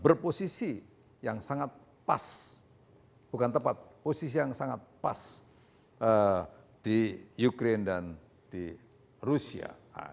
berposisi yang sangat pas bukan tepat posisi yang sangat pas di ukraine dan di rusia